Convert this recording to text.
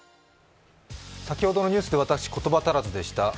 先ほどのニュースで私、言葉足らずでした。